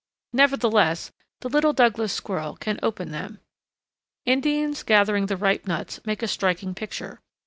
Nevertheless, the little Douglas squirrel can open them. Indians gathering the ripe nuts make a striking picture.